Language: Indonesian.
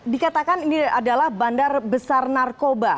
dikatakan ini adalah bandar besar narkoba